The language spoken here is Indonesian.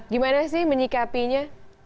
gimana sih menyikapinya